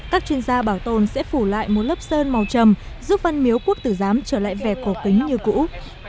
các chuyên gia bảo tồn sẽ phủ lại một lớp sơn màu trầm giúp văn miếu quốc tử giám trở lại vẻ cổ kính như cũ